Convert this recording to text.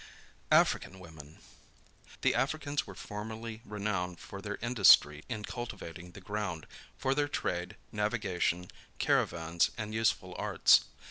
AFRICAN WOMEN. The Africans were formerly renowned for their industry in cultivating the ground, for their trade, navigation, caravans and useful arts.